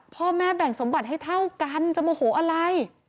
พ่อแม่แบ่งสมบัติให้เท่ากันจะโมโหอะไร